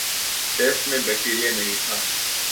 test میں bacteria نہیں تھا